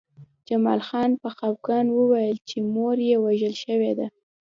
جمال خان په خپګان وویل چې مور یې وژل شوې ده